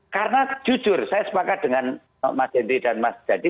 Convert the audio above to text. karena jujur saya sepakat dengan mas andri dan mas dhani